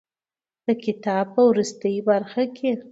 د کتاب په وروستۍ برخه کې.